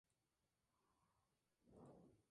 Carlos Julio Pereyra.